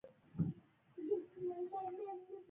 سوله او ثبات د دواړو په ګټه دی.